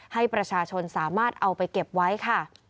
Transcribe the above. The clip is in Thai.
ให้ประชาชนสามารถเอาไปเก็บไว้ค่ะ